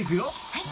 はい。